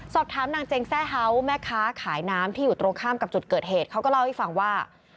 สอบถามนางเจงแร่เฮ้าแม่ค้าขายน้ำที่อยู่ตรงข้ามกับจุดเกิดเหตุเขาก็เล่าให้ฟังว่า